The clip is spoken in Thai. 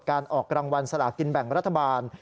ออกรางวัลสลากินแบ่งรัฐบาล